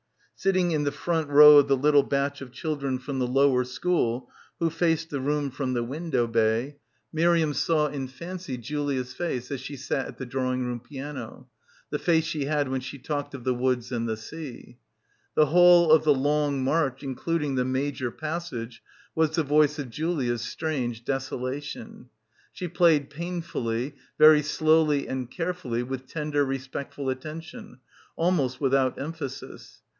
Sitting in the front row of the little batch of children from the lower school who faced the room from the window bay, Miriam saw, in fancv, Julia's face as she sat at the draw — 290 — BACKWATER ing room piano — the face she had when she talked of the woods and the sea. The whole of the long march, including the major passage, was the voice of Julia's strange desolation. She played pain fully, very slowly and carefully, with tender respectful attention, almost without emphasis.